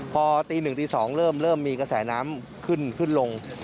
พอตี๑ตี๒เริ่มมีกระแสน้ำขึ้นลง